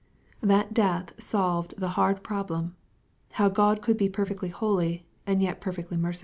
That death solved the hard problem, how God could be perfectly holy, and yet per fectly merciful.